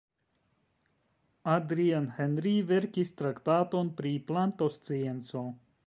Adrien-Henri verkis traktaton pri plantoscienco.